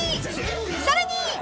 ［さらに］